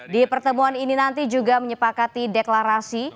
di pertemuan ini nanti juga menyepakati deklarasi